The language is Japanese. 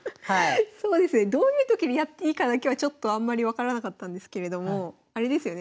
そうですねどういう時にやっていいかだけはちょっとあんまり分からなかったんですけれどもあれですよね